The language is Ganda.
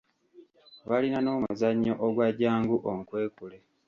Balina n'omuzannyo ogwa "jangu onkwekule".